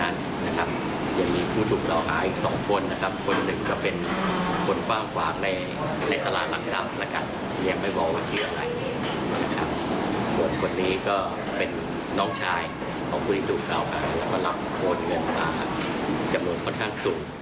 และก็หลับโทนเงินมาจำนวนค่อนข้างสูง